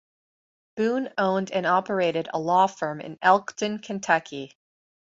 Boone owned and operated a law firm in Elkton, Kentucky.